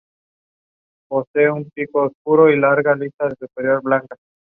Estableció esfuerzos de base con poblaciones indígenas, latinoamericanas y afroestadounidenses.